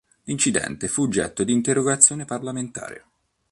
L'incidente fu oggetto di interrogazione parlamentare.